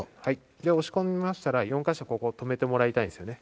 で押し込みましたら４カ所ここを留めてもらいたいんですよね。